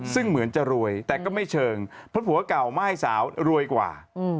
ซึ่งเหมือนจะรวยแต่ก็ไม่เชิงเพราะผัวเก่าม่ายสาวรวยกว่า